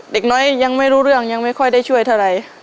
เด็กน้อยยังไม่รู้เรื่องยังไม่ค่อยได้ช่วยเท่าไหร่